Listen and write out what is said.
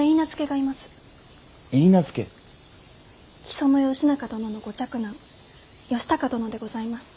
木曽義仲殿のご嫡男義高殿でございます。